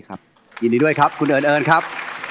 โปรดติดตามต่อไป